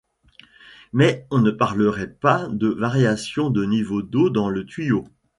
Mais on ne parlerait pas de variation de niveau d'eau dans le tuyau.